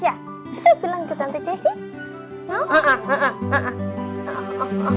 ya kita bilang ke tante jess sih